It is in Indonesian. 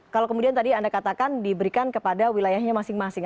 kalau kemudian tadi anda katakan diberikan kepada wilayahnya masing masing